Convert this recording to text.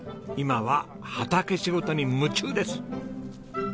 今は畑仕事に夢中です。